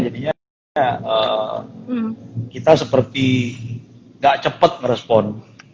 jadinya kita seperti gak cepet ngerespon